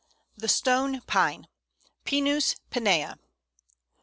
] The Stone Pine (Pinus pinea).